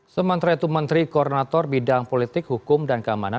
sementara itu menteri koordinator bidang politik hukum dan keamanan